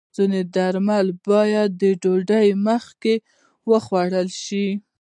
ځینې درمل باید د ډوډۍ مخکې وخوړل شي.